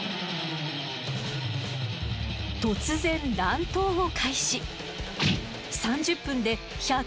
突然乱闘を開始。